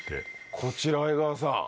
こちらは、江川さん。